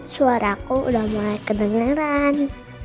suaraku udah mulai kedengaran